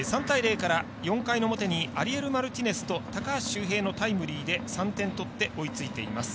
４回の表にアリエル・マルティネスと高橋周平のタイムリーで３点取って追いついています。